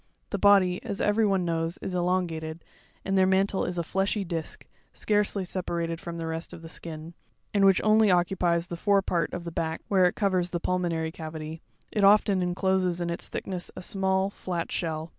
The body, as every one knows, is elongated, and their mantle is a fleshy disk, scarcely separated from the rest of the skin (fig. 22, m,) and which only occupies the fore part of the back, where it covers the pulmo nary cavity ; it often encloses in its thickness a small, flat shell.